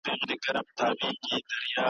نری رنځ د هوا له لارې خپریږي.